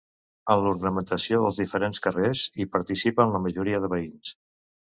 En l’ornamentació dels diferents carrers hi participen la majoria de veïns.